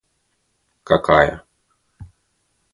какая